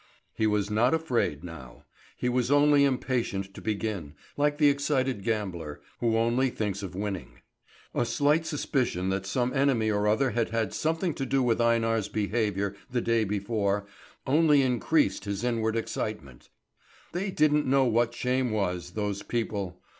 He was not afraid now; he was only impatient to begin, like the excited gambler, who only thinks of winning. A slight suspicion that some enemy or other had had something to do with Einar's behaviour the day before, only increased his inward excitement. They didn't know what shame was, those people!